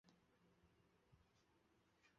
你赶快出发